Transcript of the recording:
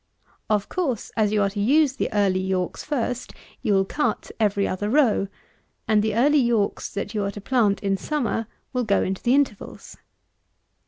Of course, as you are to use the Early Yorks first, you will cut every other row; and the Early Yorks that you are to plant in summer will go into the intervals.